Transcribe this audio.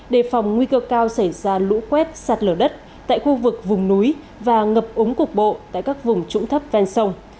đề phòng nguy cơ cao xảy ra lũ quét sạt lở đất tại khu vực vùng núi và ngập úng cục bộ tại các vùng trũng thấp ven sông